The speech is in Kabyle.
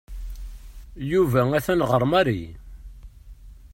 Yuba atan ɣer Mary.